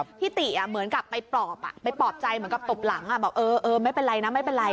พี่ติเหมือนกับไปปลอบไปปลอบใจเหมือนกับตบหลังบอกเออไม่เป็นไรนะไม่เป็นไร